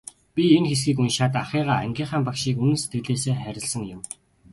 Би энэ хэсгийг уншаад ахыгаа, ангийнхаа багшийг үнэн сэтгэлээсээ хайрласан юм.